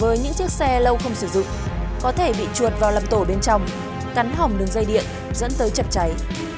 với những chiếc xe lâu không sử dụng có thể bị chuột vào lầm tổ bên trong cắn hỏng đường dây điện dẫn tới chập cháy